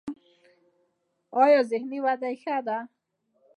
ایا ذهني وده یې ښه ده؟